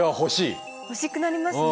欲しくなりますね。